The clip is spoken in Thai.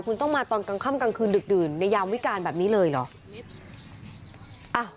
คุณต้องมาตอนกลางค่ำกลางคืนดึกดื่นในยามวิการแบบนี้เลยเหรอ